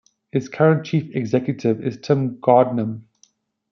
Its current chief executive is Tim Gardam.